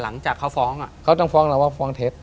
หลังจากเขาฟ้องเขาต้องฟ้องเราว่าฟ้องเท็จ